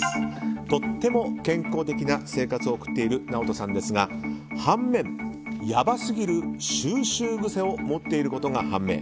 とても健康的な生活を送っているＮＡＯＴＯさんですが半面、やばすぎる収集癖を持っていることが判明。